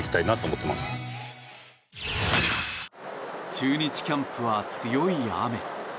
中日キャンプは強い雨。